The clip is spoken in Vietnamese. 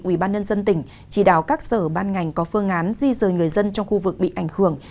ubnd tỉnh chỉ đào các sở ban ngành có phương án di rời người dân trong khu vực bị ảnh hưởng